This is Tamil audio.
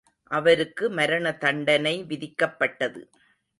அவருக்கு மரணதண்டனை விதிக்கப்பட்டது.